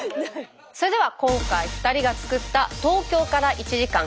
それでは今回２人が作った東京から１時間田舎の魅力！